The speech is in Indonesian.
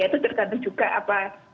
itu tergantung juga apa